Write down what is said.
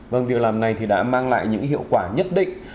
vâng việc làm này thì đã mang lại những hiệu quả nhất định